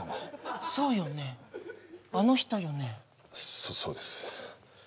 そっそうです